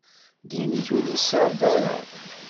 Ddin-ik ur iyi-suɛed ara.